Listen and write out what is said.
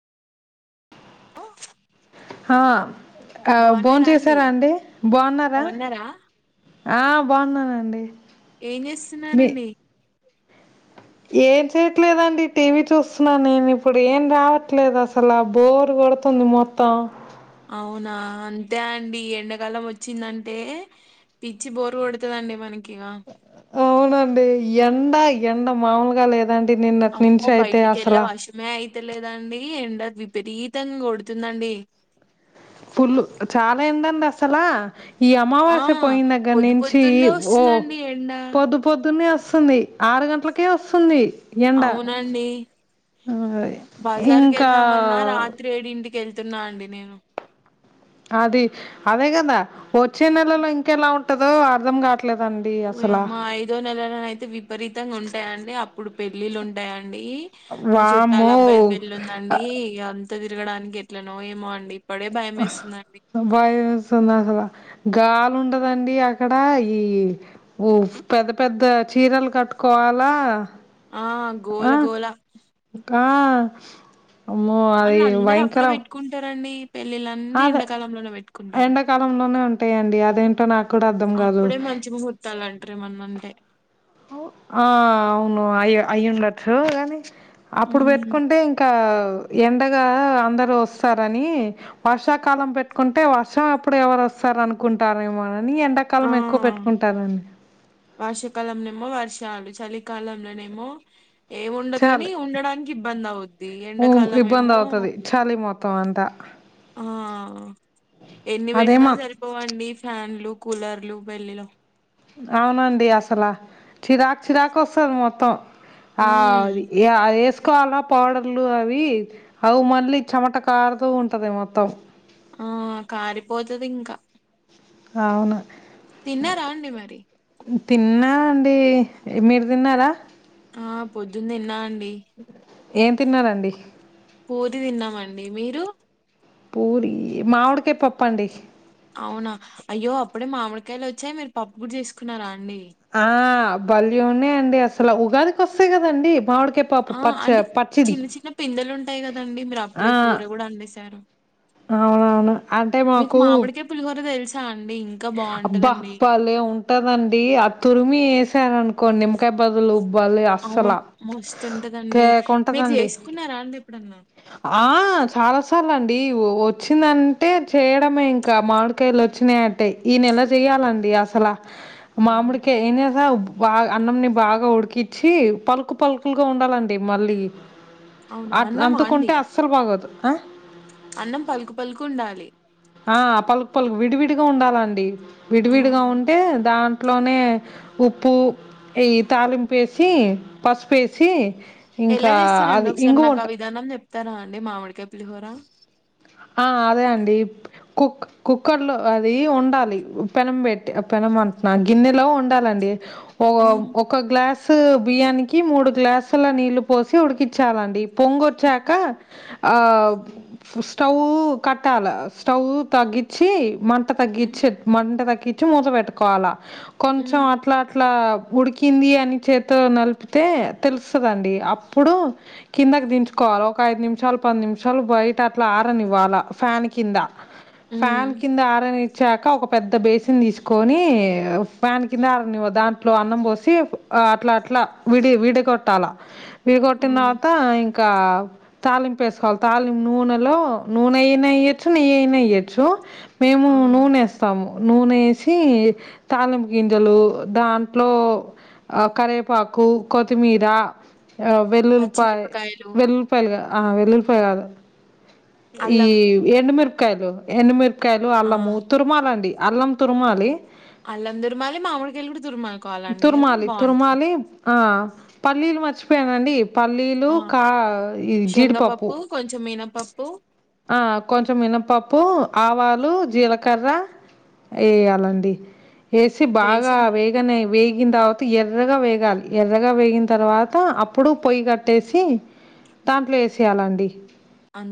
హ హ ఆ బోన్ చేసారా అండి బాగున్నారా ఆ బాగున్ననండి ఏం మీ చేస్తున్నారండి ఏం చేయట్లేదండి టీవీ చూస్తున్నా నేను ఇప్పుడు ఏం రావట్లేదు అసలు బోర్ కొడుతుంది మొత్తం అవునా అంతే అండి ఎండాకాలం వచ్చిందంటే పిచ్చి బోరు కొడుతదండి మన అవునండి ఎండ ఎండ మామలుగా లేదు దండి నిన్నటి నుంచి అయితే అసలు అలేదండి ఎండ విపరీతంగా కొడుతుందండి ఫుల్లు చాలా ఏండండి అసలా ఈ ఆ అమావాస్య పోయిన దగ్గర పొద్దు నుంచి పొద్దున్నే ఓ వస్తుందండి ఎండ పొద్దు పొద్దున్నే ఒస్ వస్తుంది ఆరు గంట్లకే వస్తుంది ఎండ. అవునండి ఆ! బజార్కి ఇంకా వెళ్దామన్నా రాత్రి ఏడింటికి వెళ్తా తున్నా అండి నేను అది అదే కదా వచ్చే నెలలో ఇంకెలా ఉంటదో అర్ధం కాట్లే ఓయమ్మ ఐదో నెలలనైతే విపరీతంగా ఉం ఉంటాయండి అప్పుడు పెళ్ళిళ్ళు ఉంటాయం డి మా చుట్టాల వామ్మో అబ్బాయి పెళ్లిి ఉందండి ఇగ ఆన్ త్త తిరగడానికి ఎట్లనో ఏమో అండి ఇప్పుడే భయం వేస్తుందండి బాయమేస్తుంది అసలు గాలుండదండి అక్కడ ఈ ఊ పెద్ద పెద్ద చీరలు కట్టుకోవాలా ఆ ఆ గోల గోలా ఆ అమ్మో అది మళ్ళీ అందరు అప్పుడే భయంకరం పెట్టుకుంటారండి పెళ్ళిళ్లన్నీ అదే ఎండాకాలంలోనే పెట్టుకుంటారు ఎండాకాలంలోనే ఉంటాయండి అదేంటో నాకు కూడా అర్థం కాదు అప్పుడే మంచి ముహూర్తాలు అంటారు ఏమన్నా అంటే ఆ అవును అయ్య అయ్యండచ్చు గానీ అప్పుడు ఉమ్, పెట్టుకుంటే ఇంకా ఎండగా అందరు వస్తారని వర్షాకాలం పెట్టుకుంటే వర్షం అప్పుడు ఎవరు వస్తారు అనుకుంటారు ఏమో అని ఆ ఎండాకాలం ఎక్కువ పెట్టుకుంటారండి చాలు చలికాలంలోనేమో ఏమి ఉండదు కాని చాలి ఉండడానికి ఇబ్బంది అవుద్ది ఊ ఎండాకాలం ఇబ్బంది ఏమో అవుతది చలి మొత్తం అంతా ఆ ఎన్ని పెట్టినా అదేమో సరిపోవండి ఫ్యాన్ ప్యాన్లు కూలర్లు పెళ్లిలో అవునండి అసలా చిరాకు చిరాకు వస్తుంది మొత్తం ఆ ఉమ్ అదే తీసుకోవాలా పౌడర్లు అవి అవి మళ్ళీ చెమట కారుతూ ఉంటది మొత్తం ఆ కారిపోతుది ఇంకా అవును తిన్నారా అండి మరి తిన్నా అండి మీరు తిన్నారా ఆ పొద్దునా తిన్న అండి ఏం తిన్నారండి పూరి తిన్నామండి మీరు పూరి మామిడికాయ పప్పు అండి అవునా అయ్యో అప్పుడే మామిడికాయలు వచ్చాయి మీరు పప్పు కూడా చేసుకున్నారా అండి ఆ భలే ఉన్నాయి అండి అసలు ఉగాదికి వస్తాయి కదండి మామిడి ఆ అంటే చిన్న చిన్న పిందలు ఉంటాయి కదండి మీరు ఆ అప్పుడే కూర కూడా వండేసారు అవునవును అంటే మీకు మాకు మామిడికాయ పులిహోర తెలిసి అబ్బా బలే ఉంటదండి ఆ తురిమి వేసారనుకో కొ నిమ్మకాయ బదులు భలే అస్సలు అవును మస్తుంటదండి కేక మీరు ఉంటదండి చేసుకున్నారా అండి ఎప్పుడన్నా ఆ చాలాసార్లు అండి వచ్చిందంటే చేయడమే ఇంకా మామిడికాయలు వచ్చినాయి అంటే ఈ నెల చెయాలండి అసలా మామిడి అవును కాయ ఎంచేసావ్ బా అన్నంని బాగా ఉడికించి పలుకు పలుకులుగా ఉండాలండి మళ్ళీ అవునా అ అన్నమా అంతుకుంటే అండి అస్సలు బాగోదు ఆ అన్నం పలుకు పలుకు ఉండాలి ఆ పలుకు పలుకు విడివిడిగా ఉండాలండి ఆ విడివిడిగా ఉంటే దా ట్లోనే ఉప్పు ఈ తాలింపు వేసి పసుపు వేసి ఎలా చేస్తారంండి ఒకసారి నాకు ఆ విధానం చె తార అండి మామిడికాయ పులిహోర ఆ అదే అండి కుక్ కుక్కర్లో అది వండాలి పెనం పెట్టి పెనం అంటున్నా గిన్నెలో వండాలండి ఓ ఉమ్ ఒక గ్లాస్ గ్లాస్ బియ్యానికి మూడు గ్లాసుల నీళ్ళలు పోసి ఉడికించాలండి పొంగొచ్చాక స్టవ్ కట్టాలి స్టవ్ తగ్గించి మ మంట ఉమ్ తగ్గించి మండ తగ్గించి చ్చి మూత వేట్టుకోవాలా కొంచెం ఉమ్ అట్లా అట్లా ఉడికింది అని చేతో నలిపితే తెలుస్తదండి అప్పుడు కిందకి దించుకోవాలే ఒక ఐదు నిమిషాలు పది నిమిషాలు బయట అ ఇట్ల ఆరా నివ్వాలా ఫ్యాన్ కింద ఫ్యాన్ ఉమ్ కింద ఆరనీ వచ్చాక ఒక పెద్ద బేసిన్ తీసుకొని ఫ్యాన్ కింద ఆరా నివు దాంట్లో అన్నం పోసి అట్లా అట్లా విడి విడగొట్టాల వీ గొట్టిన అవునా తవాత ఇం కా తాలింపు ఎసుకోవాలే తాలిం నూనె హలో నునైన ఎయచ్చు నెయ్యైన ఎయచ్చు మేము అవునా నూనె ఎస్తాము నూనెసి తాలింపు గింజెలు దాంట్లో కరవేపాకు కొత్తిమీర ఆ వెల్లుల్పాయే పచ్చిమిరపకాయలు వెల్లుల్పాయలుగా ఆ వెల్లులిపాయ కాదు ఈ అల్లం ఎండుమిరు కదూ ఎన్ మీర్ కాయలు ఆ అల్లము తుర్మాలండి అల్లం తురుమాలి అల్లం దుర్మాలి మామిడికాయలు కూడా దుర్మాల్ కోవాలండి కదా తురుమాలి బాగుంటది తురుమాలి ఆ పల్లీలు మర్చిపోయానండి పల్లీలు ఆ కా ఈ జీడిపప్పు పప్పు ఆ కొంచెం మినపప్పు ఆవాలు జీలకర్ర ఎయాలండి ఏసి వేసి బాగా వేగనే వేగినా త ఎర్రగా వేగాలి ఎర్రగా వేగిన తర్వాత అప్పుడు పొయ్యి కట్టేసి దాంట్లో వేసేయాలండి అం